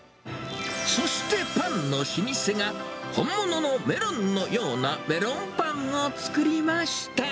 そして、パンの老舗が本物のメロンのようなメロンパンを作りました。